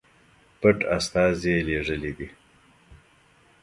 پټ استازي لېږلي دي.